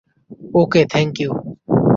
Okay, thank you.